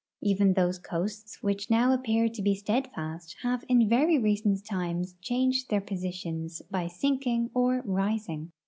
Even those coasts which now appear to be steadfast have in very recent times changed their positions by sinking or rising.